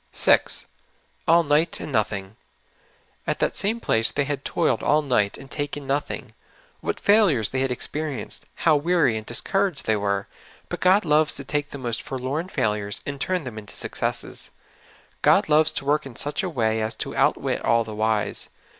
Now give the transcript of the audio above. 6. *' All night, and nothing. '' At that same place they had toiled all night and taken nothing. What failures they had experienced ! How^ weary and discouraged the}^ were ! But God loves to take the most forlorn failures and turn them into successes. God loves to work in such a wa}' as to outwit all the wise.